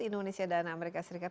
indonesia dan amerika serikat